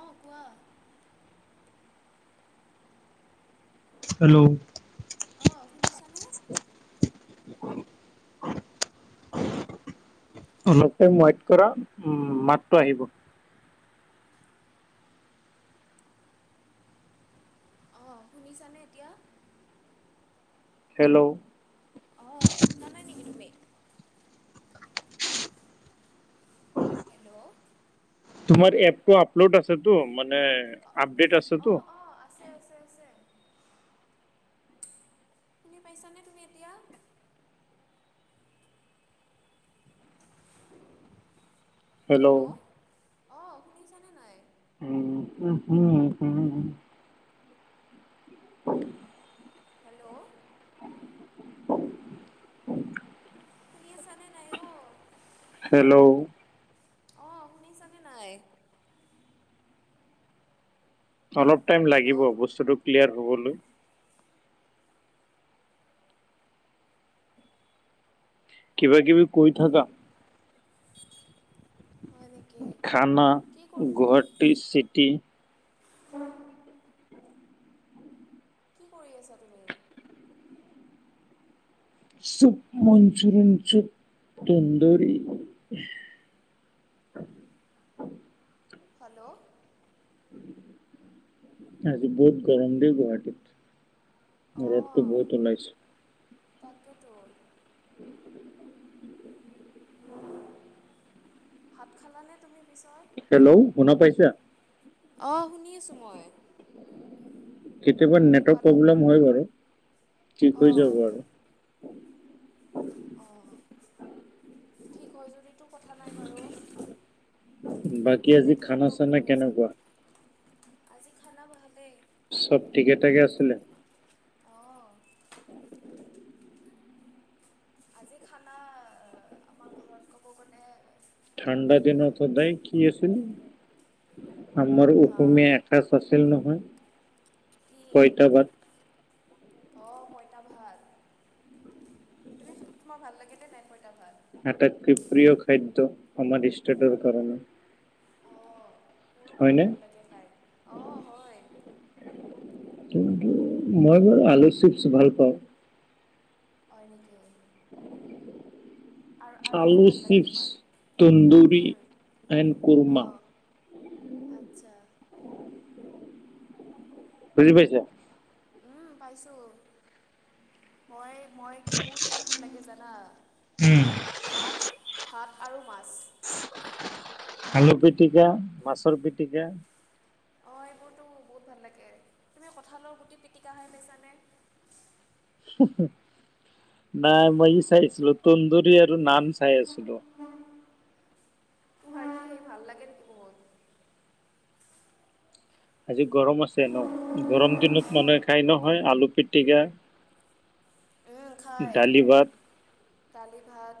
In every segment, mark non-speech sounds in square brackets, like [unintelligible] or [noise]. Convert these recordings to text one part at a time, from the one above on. অ', কোৱা। হেল্ল'! অ', শুনিছানে? অলপ টাইম ৱ্যাইত কৰা মাতটো আহিব। অ', শুনিছানে এতিয়া? হেল্ল'! অ', শুনা নাই নিকি তুমি? হেল্ল'! তোমাৰ এপটো আপলোড আছেতো মানে আপডেট আছেতো? অ', আছে, আছে, আছে। শুনি পাইছা নে তুমি এতিয়া? হেল্ল' অঁ শুনিছানে নাই? উম উ উম উ। হয় [inaudible] হেল্ল' শুনি আছা নে নাই অ? হেল্ল' অ শুনিছানে নাই? অলপ টাইম হেল্ল' লাগিব বস্তুটো ক্লিয়াৰ হ'বলৈ। কিবা কিবি কৈ থাকা। হয় নেকি খানা কি কৰ গুৱাহাটী চিটি। কি কৰি আছা তুমি? চব মনঞ্চুৰণ চুপ তুন্দৰী। হেল্ল' আজি বহুত গৰম দেই গুৱাহাটীত। ৰ'ডটো বহুত ওলাইছে। তাকেটো। উ [inaudible] ভাত খালা নে তুমি পিছত? হেল্ল' শুনা পাইচা? অঁ', শুনি আছোঁ মই। কেতিয়াবা নেটৱৰ্ক হেল্ল' প্ৰব্লেম হয় বাৰু থিক হৈ অঁ যাব আৰু। অঁ', ঠিক হয় যদিতো কথা নাই বাৰু। বাকী আজি এপটোতে কিবা খানা চানা প্ৰব্লেম হৈ কেনেকুৱা আছে, আজি খানা ভালেই। চব ঠিকে থাকে আছিলে? অঁ। আজি খানা আমাৰ ঘৰত ক'ব গ'লে ঠাণ্ডা দিনত সদায় কি আছিল আমাৰ হা অসমীয়া এসাঁজ আছিল নহয়। কি? পইতা ভাত অঁ', পইতা ভাত তুমি তোমাৰ ভাল লাগে নে নাই পঁইতা ভাত? আটাইতকৈ প্ৰিয় খাদ্য আমাৰ ষ্টেটৰ কাৰণে। মোৰ বহুত হয়নে ভাল লাগে খাই অ', হয়। কিন্তু মই বাৰু আলু চিপছ ভাল পাওঁ। হয় নেকি? আৰু [inaudible] আৰু কি আলু ভাল লাগে চিপছ তোমাৰ তন্দুৰী উম, এণ্ড কুৰৰ্মা। অঁ আচ্ছা। বুজি পাইছা? উম পাইছো, মই মই কি মোৰ কি ভাল লাগে জানা? ভাত ভাত আৰু মাছ। আলু পিটিকা মাছৰ পিটিকা অঁ', এইবোৰতো বহুত ভাল লাগে তুমি কঁঠাল গুটিৰ পিটিকা খাই পাইছানে? নাই মই চাইছিলো তন্দুৰী আৰু নান চাই আছিলো। তোমাৰ সেই ভাল লাগে নেকি বহুত? আজি গৰম আছে ন গৰম দিনত অঁ মানুহে খাই নহয় আলু পিটিকা। [inaudible] উম খায় দালি ভাত দালি ভাত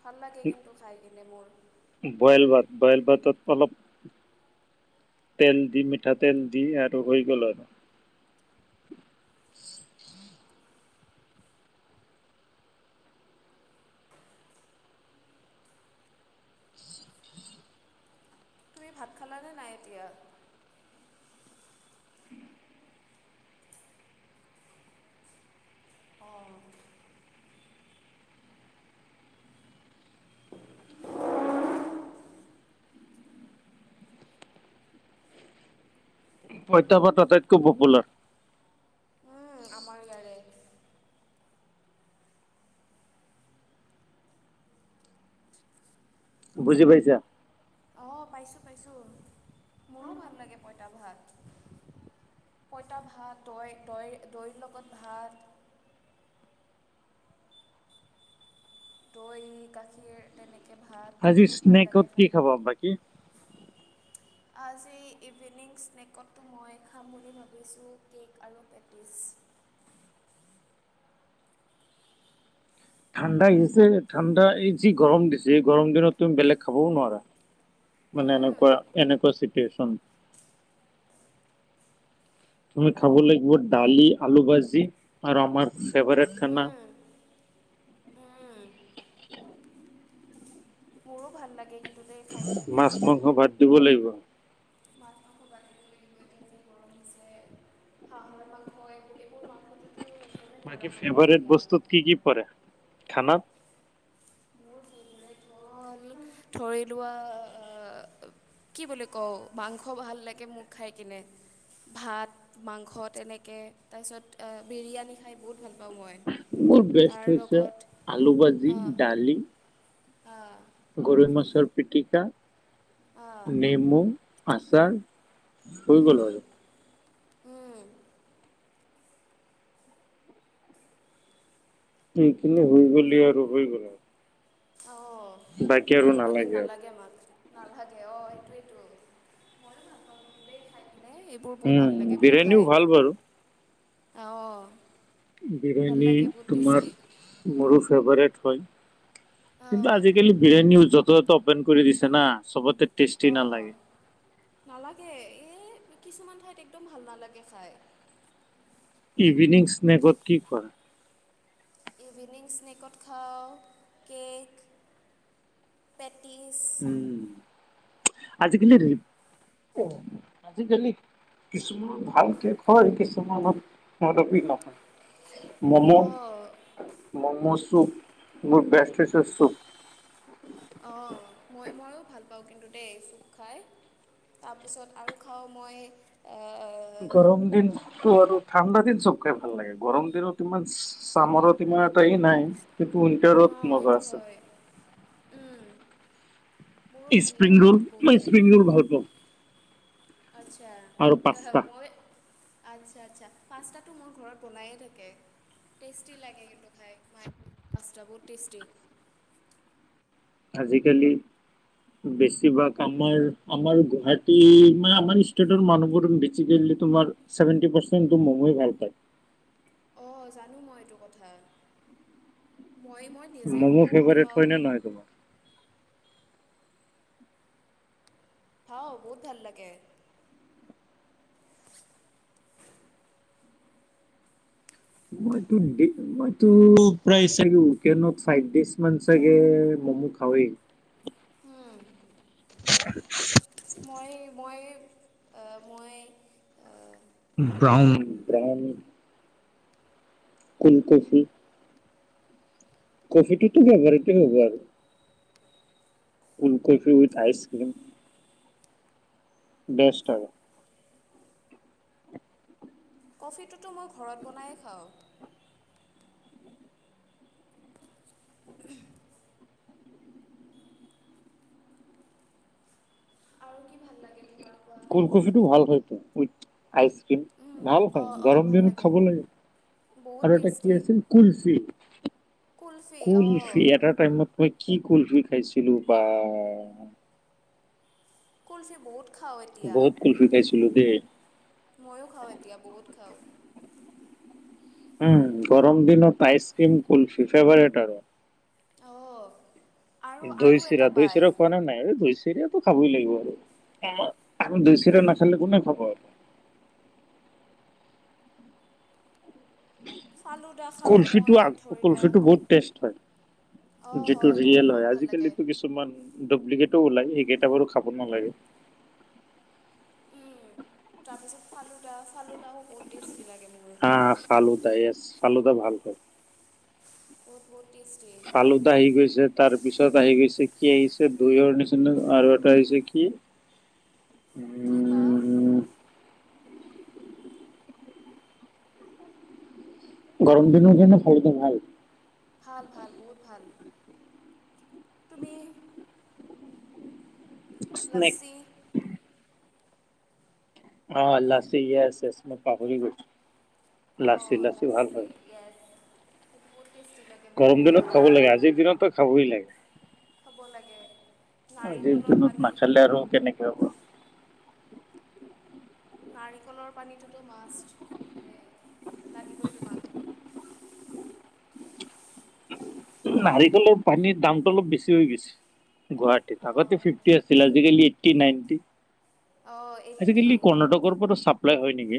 ভাল লাগে কিন্তু খাই কিনে মোৰ। বইল ভাত বইল ভাতত অলপ তেল দি মিঠাতেল দি আৰু হৈ গ'ল আৰু। তুমি ভাত খালে নে নাই এতিয়া? অ'। পইতা ভাত আটাইতকৈ পপুলাৰ। উম, আমাৰ ইয়াৰে বুজি পাইছা? অ', পাইছোঁ পাইছোঁ মোৰো ভাল লাগে পঁইতা ভাত। পঁইতা ভাত তই তই দৈৰ লগত ভাত দৈ গাখীৰ তেনে আজি স্নেকত কি খাবা বাকী? আজি ইভিনিং স্নেকত মই খাম বুলি ভাবিছোঁ কে'ক আৰু পেটিছ। ঠাণ্ডা আহিছে ঠাণ্ডা এই যি গৰম দিছে গৰম দিনত তুমি বেলেগ খাবও নোৱাৰা। মানে উম, এনেকুৱা এনেকুৱা চিটুৱেচন তুমি খাব লাগিব দালি, আলু ভাজি আৰু আমাৰ ফেভাৰেট খানা উম, উম। মোৰো ভাল লাগে কিন মাছ মাংস বাদ দিব লাগিব। মাছ মাংস বাদ দিব লাগিব এতিয়া যি গৰম দিছে। হাঁহৰ মাংস এইবো এইবোৰ মাংসটোতো এক [unintelligible] বাকী ফেভাৰেট বস্তুত কি কি পৰে খানাত? [unintelligible] ধৰি লোৱা আ কি বুলি কওঁ মাংস ভাল লাগে মোক খাই কিনে ভাত, মাংস তেনেকে তাইছত এ, বিৰিয়ানি খাই বহুত ভাল পাওঁ মই মোৰ বেষ্ট তাৰ হৈছে লগত আলু ভাজি, আ [unintelligible] আ গৰৈ মাছৰ পিটিকা, আ নেমু আচাৰ হৈ গ'ল উম হয়। উম এইখিনি হৈ গ'লি আৰু হৈ গ'ল হয়। অ', আৰু বেলেগ নালাগে আমাক। নালাগে অ', এইটোৱেইটো মইও ভালপাওঁ কিন্তু দেই খাই পেলাই এ বোৰ বহুত ভাল উম, লাগে মোৰ খাই বিৰিয়ানীও ভাল বাৰু আ, অ'। ভাল বিৰিয়ানী লাগে বহুত তোমাৰ টেষ্টি মোৰো ফেভাৰেট হয় কিন্তু অঁ আজিকালি বিৰিয়ানিও যতে ত অপেন কৰি দিছে না চবতে টেষ্টি অ', নালাগে। নালাগে এই কিছুমান ঠাইত একদম ভাল নালাগে খাই ইভিনিং স্নেকত কি খোৱা? ইভিনিং স্নেকত খাওঁ কেক, পেটিছ উম আজিকালি ধই [unintelligible] আজিকালি কিছুমান ভালকে হয় কিছুমানত মদপী নহয় মমৌত অঁ ম'ম' চুপ মোৰ বেষ্টেচ চুপ মই ময়ো ভাল পাওঁ কিন্তু দেই চুপ খাই তাৰপিছত আৰু খাওঁ মই অহ গৰম দিন ত আৰু ঠাণ্ডা দিন চুপ খাই ভাল লাগে গৰম দিনত ইমান চামৰত ইমান এটা হেৰি নাই এইটো উইণ্টাৰত মজা আছে। উম মোৰো ভাল লাগে কিন্তু বহুত খাই তোৰ ভাল পাও আচ্ছা হ হ পাস্তা মই আচ্ছা আচ্ছা পাস্তাটো মোৰ ঘৰত বনায়ে থাকে টেষ্টি লাগে কিন্তু খাই মাই পাষ্টা বহুত টেষ্টি আজিকালি বেছিভাগ আমাৰ আমাৰ গুৱাহাটী মানে আমাৰ ষ্টেটৰ মানুহবোৰ চিডেণ্টলি তোমাৰ চেভেণ্টি পাৰচেণ্টো মমই ভাল পায়। অঁ জানো মই এইটো কথা মই মই নিজে ম'ম' ভাল ফেভাৰেট পাওঁ নে হয় তোমাৰ খাওঁ বহুত ভাল লাগে। মই মইটো প্ৰায় চাগে উইকেণ্ডত ফাইভ ডেজ মান চাগে ম'ম' খাওৱে মই মই মই ব্ৰাউন ব্ৰাউন কুলফি কফিটোতো বেবাৰজে হ'ব আৰু cool coffee with ice cream best আৰু কফিটোতো মই ঘৰত বনায়ে খাওঁ। আৰু কি ভাল লাগে তোমাৰ কোৱা কুলকফিটো ভাল হয় উই আইচক্ৰীম উম, ভাল হয় অঁ অঁ গৰম ভাল দিনত খাব লাগে। বহুত আৰু এটা কি টেষ্টি আছিল কুলফি কুলফি অঁ কুলফি এটা টাইমত কি কুলফি খাইছিলোঁ বা কুলফি বহুত খাওঁ এতিয়া বহুত কুলফি খাইছিলো দেই ময়ো খাওঁ এতিয়া বহুত খাওঁ উম গৰম দিনত আইচক্ৰিম কুলফি ফেভাৰেট আৰু অফ দৈ চিৰা দৈ চিৰা খোৱা নাই নাই দৈ চিৰা চিয়াতটো খাবই লাগিব আৰু আমাৰ দৈ চিয়া নাখালে কোনে খাব আৰু ফালুদা খাওঁ কূলফিটো মই আ ধৰি লোৱা কূলফিটো বহুত টেষ্ট হয় অঁ যিটো হয় বহুত ৰিয়েল হয় বহুত ভাল লাগে আজিকালিতো কিছু দবলিকেল ও ওলাই সেইকেইটা বাৰু খাব নালাগে তাৰপিছত ফালুদা ফালুদাও বহুত টেষ্টি লাগে মোৰ শালোদা য়ছ শালুদা ভালক [unintelligible] বহুত বহুত টেষ্টি হয় ফালুদা আহি গৈছে তাৰ পিছত আহি গৈছে কি আহিছে দুইৰ নিচিনা আৰু এটা আহিছে কি উম কি বা গৰম দিনৰ কাৰণে খালদ [unintelligible] ভাল ভাল ভাল বহুত ভাল তুমি স্নেক লছী। অ লাছী ইয়েছ ইয়েছ আ মই পাহৰি গৈছো লাছী লাছী ভাল হয়। এয়েচ সেইটো বহুত টেষ্টি লাগে মোৰ গৰম এইটো দিনত খাব ফেবেৰেট লাগে হয়। আজিৰ দিনততো খাবই লাগে। খাব লাগে। আজিৰ নাৰিকলৰ দিনত পানী নাখালে আৰু কেনেকে হ'ব। নাৰিকলৰ পানীটোতো মাষ্ট লাগিবই তোমাক। নাৰিকলৰ পানীৰ দামতটো অলপ বেছি হৈ গৈছে গুৱাহাটীত আগতে অঁ ফিফটি আছিলে। আজি কালি এইটি নাইনটি অঁ এইট্টি আজিকালি কৰ্ণাটক কৰ্নাটকৰ পৰা ছাপ্লাই হয় নেকি?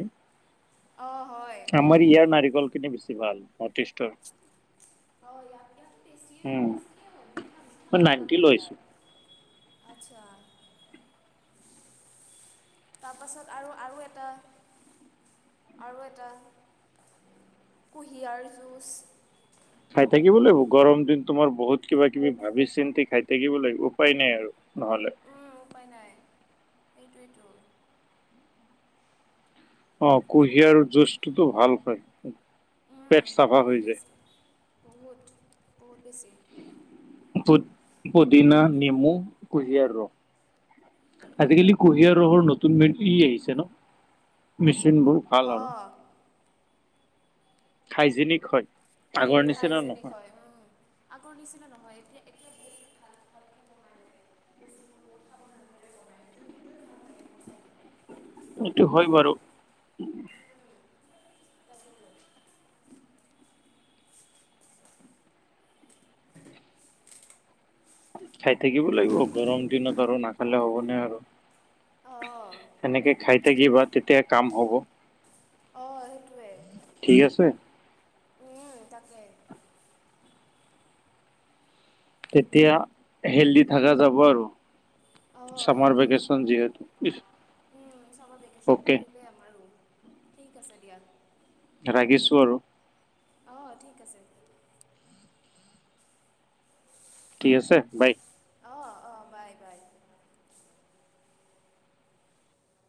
অঁ হয় আমাৰ ইয়াৰ নাৰিকল খিনি বেছি ভাল নৰ্থ ইষ্টৰ। অ ইয়াতাত ইয়াতাত টেষ্টিয়ে উম টেষ্টিয়ে হয় মিঠ মিঠা মই ভাল নাইনটি লাগে লৈছো। আৰু। আচ্ছা। তাৰপাছত আৰু আৰু এটা আৰু এটা কুঁহিয়াৰ জুঁচ। খাই থাকিব লাগিব গৰম দিন তোমাৰ বহুত কিবা কিবি ভাবি চিন্তি খাই থাকিব লাগিব উপায় নাই আৰু। নহলে। উম, উপায় নাই সেইটোৱেই তো। অ কুঁহিয়াৰ জুজটোতো ভাল হয় উম, পেট চাফা বহুত হৈ যায়। টেষ্টি বহুত বহুত বেছি। পু পুদিনা নেমু কুহিয়াৰ ৰস। আজিকালি কুঁহিয়াৰ ৰসৰ নতুন ই আহিছে ন মেছিনবোৰ। ভাল আৰু অঁ হাইজেনিক হয়। আগৰ নিচিনা হাইজেনিক নহয় হয় উম। আগৰ নিচিনা নহয় এতিয়া এতিয়া বহুত ভালকে বনাই বস্তুবোৰ উঠাব নালাগে। সেইটো হয় বাৰু। উম। [inaudible] খাই থাকিব লাগিব গৰম দিনত আৰু নাখালে হ'বনে আৰু। অঁ। এনেকে খাই থাকিবা তেতিয়া কাম হ'ব। অঁ সেইটোৱেই। ঠিক আছে? উম তাকে। তেতিয়া হেল্ডি থকা যাব আৰু, অঁ ছামাৰ হেল্ডি ভেকেচন যিহেতু। [unintelligible] উম ছামাৰ ভেকেশন অকে পৰিলেই আমাৰো, ঠিক আছে দিয়া। ৰাখিছো আৰু। অঁ ঠিক আছে। ঠিক আছে বাই। অঁ অঁ বাই বাই।